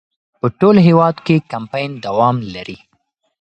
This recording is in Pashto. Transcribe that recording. په ټول هېواد کې کمپاین دوام لري.